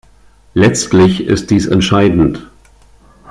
Letztlich ist dies entscheidend.